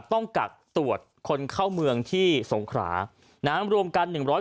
ต้องกักตรวจคนเข้าเมืองที่สงขรานะฮะรวมกันหนึ่งร้อย